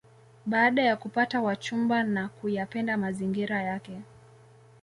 Baada ya kupata wachumba na kuyapenda mazingira yake